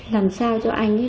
làm sao cho anh